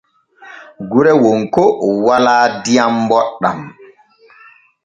Gure Wonko walaa diyam booɗam.